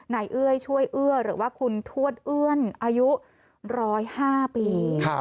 เอื้อยช่วยเอื้อหรือว่าคุณทวดเอื้อนอายุ๑๐๕ปี